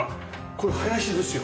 これ林ですよ。